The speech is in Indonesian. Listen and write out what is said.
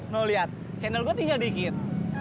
lo liat jendol gue tinggal dikit